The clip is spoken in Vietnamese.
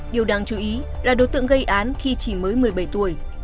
điều đáng chú ý là đối tượng gây án khi chỉ mới một mươi bảy tuổi